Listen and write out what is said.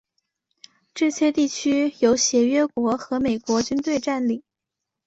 这些地区由协约国和美国军队占领。